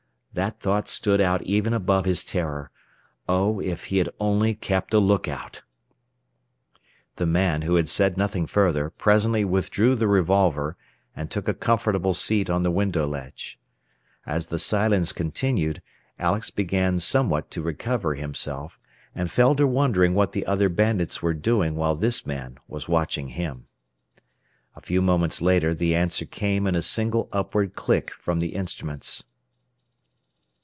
That thought stood out even above his terror. Oh, if he had only kept a lookout! [Illustration: HE WAS GAZING INTO THE BARREL OF A REVOLVER.] The man, who had said nothing further, presently withdrew the revolver and took a comfortable seat on the window ledge. As the silence continued, Alex began somewhat to recover himself, and fell to wondering what the other bandits were doing while this man was watching him. A few moments later the answer came in a single upward click from the instruments.